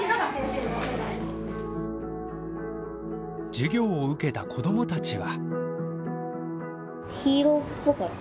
授業を受けた子どもたちは。